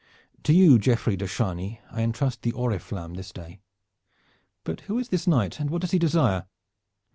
To you, Geoffrey de Chargny, I intrust the oriflamme this day. But who is this knight and what does he desire?"